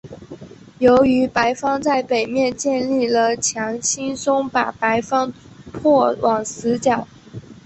由于白方在北面建立了墙轻松把白方迫往死角。